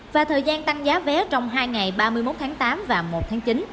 và thời gian tăng giá vé trong hai ngày ba mươi một tháng tám và một tháng chín